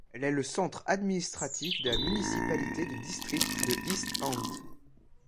Elle est le centre administratif de la municipalité de district de East Hants.